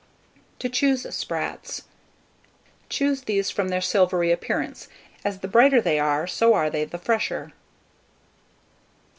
TO CHOOSE SPRATS. Choose these from their silvery appearance, as the brighter they are, so are they the fresher.